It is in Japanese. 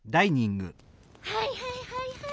はいはいはいはい。